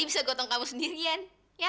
ali bisa gotong kamu sendirian ya